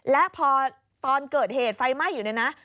และพอตอนเกิดเหตุไฟไหม้อยู่เนี่ยนะ